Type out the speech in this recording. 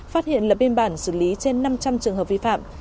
phát hiện lập biên bản xử lý trên năm trăm linh trường hợp vi phạm